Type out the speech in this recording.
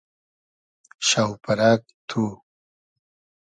شۆپئرئگ تو